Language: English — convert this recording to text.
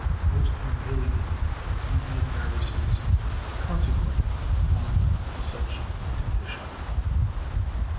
Most humiliating may be the embarrassments consequent upon such a condition.